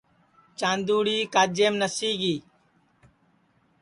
چاندُؔوڑی کاجیم نسی گی